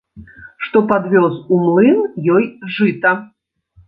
Што падвёз у млын ёй жыта.